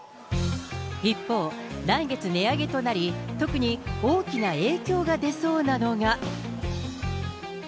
一方、来月値上げとなり、特に大きな影響が出そうなのが。